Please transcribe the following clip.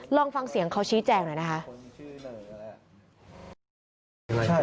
ลองฟังเสียงเขาชี้แจงหน่อยนะคะ